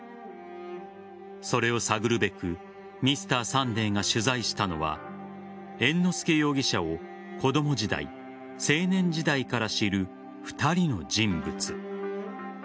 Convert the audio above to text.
それを探るべく「Ｍｒ．サンデー」が取材したのは猿之助容疑者を子供時代青年時代から知る２人の人物。